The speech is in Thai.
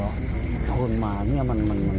คนมาเนี่ยมันมันมัน